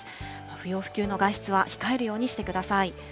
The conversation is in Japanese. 不要不急の外出は控えるようにしてください。